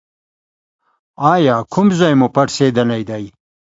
ایا کوم ځای مو پړسیدلی دی؟